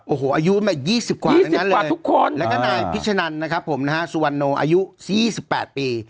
โอ้โหอายุมา๒๐กว่า๒๐กว่าทุกคนแล้วก็นายพิชนันนะครับผมนะฮะสุวรรณโนอายุ๒๘ปี